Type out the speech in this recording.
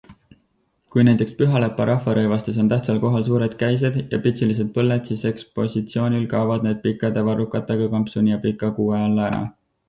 Kui näiteks Pühalepa rahvarõivastes on tähtsal kohal suured käised ja pitsilised põlled, siis ekspositsioonil kaovad need pikkade varrukatega kampsuni ja pika kuue alla ära.